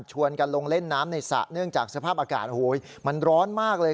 กันลงเล่นน้ำในสระเนื่องจากสภาพอากาศมันร้อนมากเลย